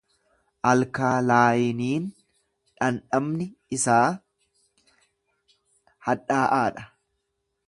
Alkaalaayiniin dhandhamni isaa hadhaa’aa dha.